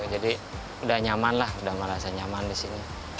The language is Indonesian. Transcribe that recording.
jadi udah nyaman lah udah merasa nyaman di sini